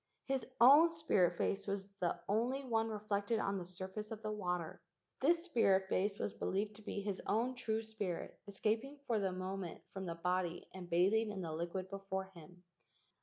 His own spirit face was the only one reflected on the surface of the water. This spirit face was be¬ lieved to be his own true spirit escaping for the moment from the body and bathing in the liquid before him.